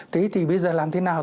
thế thì bây giờ làm thế nào